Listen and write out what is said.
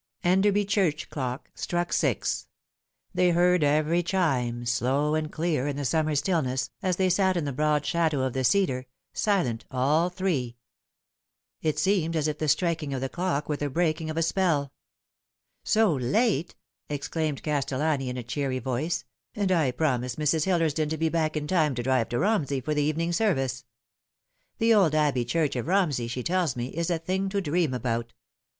ENDBRBY Church clock struck six. They heard every chime, slow and clear in the summer stillness, as they sat in the broad shadow of the cedar, silent all three. It seemed as if the striking of the clock were the breaking of a spell. " So late ?" exclaimed Castellani, in a cheery voice ;" and I promised Mrs. Hillersdon to be back in time to drive to Romsey for the evening service. The old Abbey Church of Romsey, she tells me, is a thing to dream about.